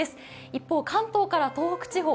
一方、関東から東北地方